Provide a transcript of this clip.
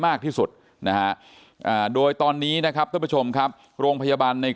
มากที่สุดนะฮะโดยตอนนี้นะครับท่านผู้ชมครับโรงพยาบาลใน